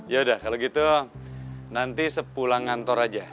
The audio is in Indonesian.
yaudah kalau gitu nanti sepulang ngantor aja